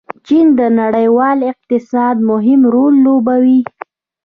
چین د نړیوال اقتصاد مهم رول لوبوي.